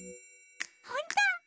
ほんと！？